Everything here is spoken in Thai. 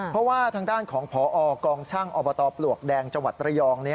เพราะว่าทางด้านของพอกองช่างอบตปลวกแดงจังหวัดระยอง